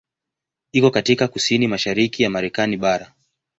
Iko katika kusini-mashariki ya Marekani bara.